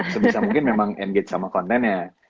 sebisa mungkin memang engage sama kontennya